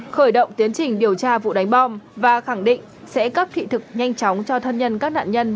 khởi động tiến trình điều tra vụ đánh bom và khẳng định sẽ cấp thị thực nhanh chóng cho thân nhân các nạn nhân